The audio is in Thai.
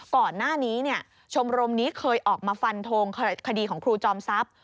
ก่อนหน้านี้ชมรมนี้เคยออกมาฟันทงคดีของครูจอมทรัพย์